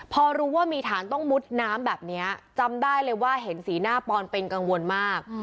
พอรู้ว่ามีฐานต้องมุดน้ำแบบนี้จำได้เลยว่าเห็นสีหน้าปอนเป็นกังวลมาก